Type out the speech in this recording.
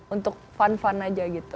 untuk fun fun aja gitu